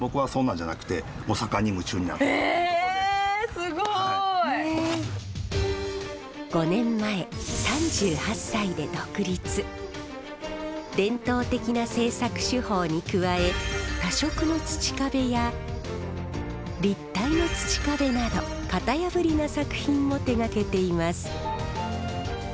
すごい！５年前伝統的な制作手法に加え多色の土壁や立体の土壁など型破りな作品も手がけています。